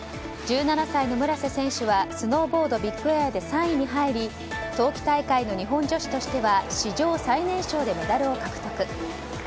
１７歳の村瀬選手はスノーボード・ビッグエアで３位に入り冬季大会の日本女子としては史上最年少でメダルを獲得。